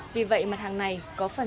vì vậy mặt hàng này có phần